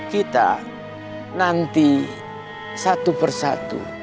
kita nanti satu persatu